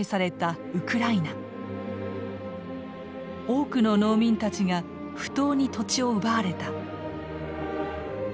多くの農民たちが不当に土地を奪われた。